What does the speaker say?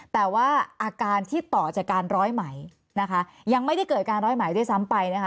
แต่ว่าอาการที่ต่อจากการร้อยไหมนะคะยังไม่ได้เกิดการร้อยไหมด้วยซ้ำไปนะคะ